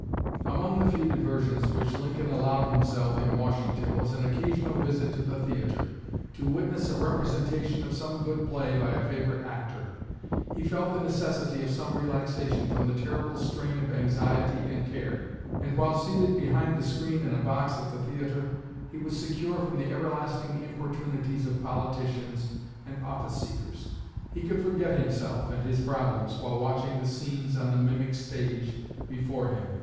Among the few diversions which Lincoln allowed himself in Washington was an occasional visit to the theater to witness a representation of some good play by a favorite actor. He felt the necessity of some relaxation from the terrible strain of anxiety and care; and while seated behind the screen in a box at the theatre he was secure from the everlasting importunities of politicians and office seekers. He could forget himself and his problems while watching the scenes on the mimic stage before him.